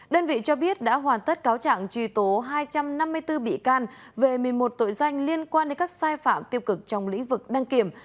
đơn vị cho biết đã hoàn tất cáo trạng truy tố hai trăm năm mươi bốn bị can về một mươi một tội danh liên quan đến các sai phạm tiêu cực trong lĩnh vực đăng kiểm